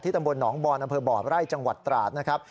ที่ตำรวจหนองบอลอบไร่จังหวัดตราดนะครับ